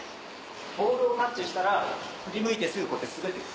ボールをタッチしたら振り向いてすぐ滑ってく。